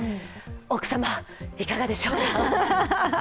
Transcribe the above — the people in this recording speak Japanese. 奥さま、いかがでしょうか？